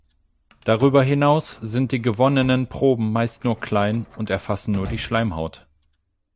Darüber hinaus sind die gewonnenen Proben meist nur klein und erfassen nur die Schleimhaut.